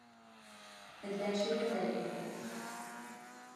Эҙләшегеҙ әле!